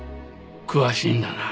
詳しいんだな。